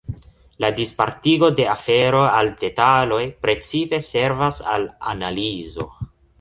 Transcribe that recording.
La dispartigo de afero al detaloj precipe servas al analizo.